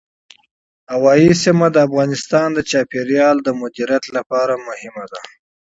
اقلیم د افغانستان د چاپیریال د مدیریت لپاره مهم دي.